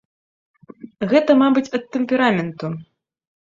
Гэта, мабыць, ад тэмпераменту.